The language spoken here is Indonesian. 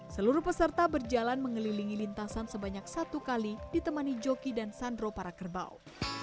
seluruh peserta berjalan mengelilingi lintasan sebanyak satu kali ditemani joki dan sandro para kerbau